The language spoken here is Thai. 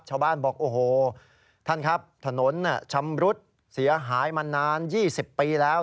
ชาวบ้านบอกโอ้โหท่านครับถนนชำรุดเสียหายมานาน๒๐ปีแล้ว